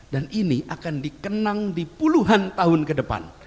dan ini akan dikenang di puluhan tahun ke depan